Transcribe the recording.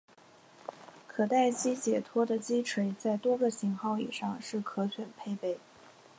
可待击解脱的击锤在多个型号以上是可选配备。